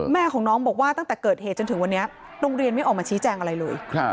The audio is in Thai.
แม่ของน้องบอกว่าตั้งแต่เกิดเหตุจนถึงวันนี้โรงเรียนไม่ออกมาชี้แจงอะไรเลย